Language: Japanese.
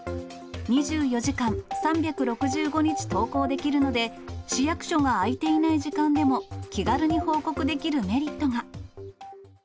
２４時間３６５日投稿できるので、市役所が開いていない時間でも気軽に報告できるメリットが。